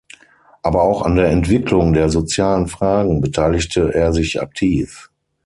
Aber auch an der Entwicklung der sozialen Fragen beteiligte er sich aktiv.